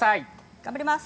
頑張ります。